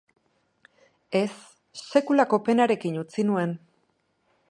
Ez, sekulako penarekin utzi nuen.